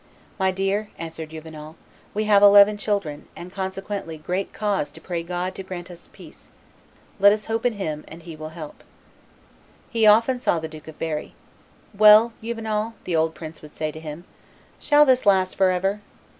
"My dear," answered Juvenal, "we have eleven children, and consequently great cause to pray God to grant us peace; let us hope in Him, and He will help us." He often saw the Duke of Berry. "Well, Juvenal," the old prince would say to him, "shall this last forever?